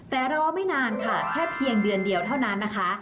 แต่รอไม่นานค่ะแค่เพียงเดือนเดียวเท่านั้นนะคะ